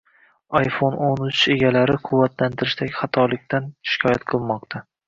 iPhoneo´n uchegalari quvvatlantirishdagi xatolikdan shikoyat qilmoqda